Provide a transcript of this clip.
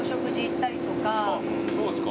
あっそうですか。